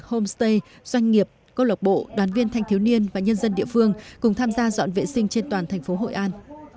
homestay doanh nghiệp câu lọc bộ đoàn viên thanh thiếu niên và nhân dân địa phương cùng tham gia dọn vệ sinh trên toàn thành phố hội an